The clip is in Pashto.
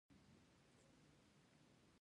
په يو يا دوو کلونو کې سړکونه ورانېږي.